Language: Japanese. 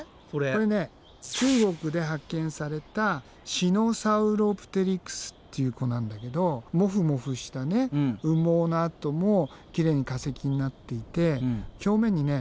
これね中国で発見されたシノサウロプテリクスっていう子なんだけどモフモフした羽毛のあともきれいに化石になっていて表面にね